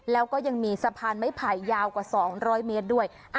แล้วก็ยังมีสะพานไม้ไผ่ยาวกว่า๒๐๐เมตรด้วย